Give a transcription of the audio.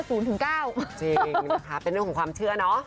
จริงนะคะเป็นเรื่องของความเชื่อเนอะ